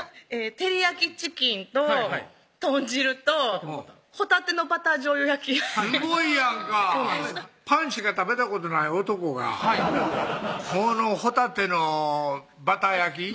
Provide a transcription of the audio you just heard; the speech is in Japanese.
照り焼きチキンと豚汁とほたてのバターじょうゆ焼きすごいやんかパンしか食べたことない男がはいこのほたてのバター焼き